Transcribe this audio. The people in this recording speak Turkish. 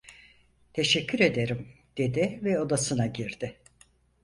"Teşekkür ederim" dedi ve odasına girdi.